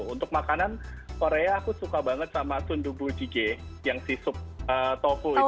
untuk makanan korea aku suka banget sama sundu bujige yang si sup tofu itu